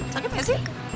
sakit gak sih